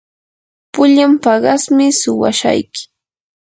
pullan paqasmi suwashayki.